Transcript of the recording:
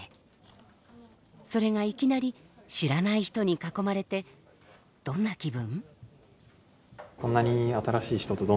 それがいきなり知らない人に囲まれてどんな気分？